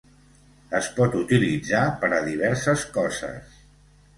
Es pot utilitzar per a diverses coses.